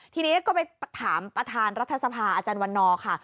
ทีนี้ก็ไปถามประธานรัฐสภาอาจารย์วันนอร์ค่ะ